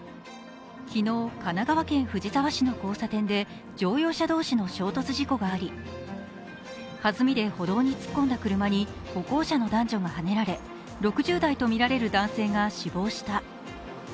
昨日、神奈川県藤沢市の交差点で乗用車同士の衝突事故がありはずみで歩道に突っ込んだ車に歩行者の男女がはねられ６０代とみられる男性が死亡した。